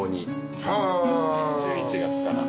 １１月から。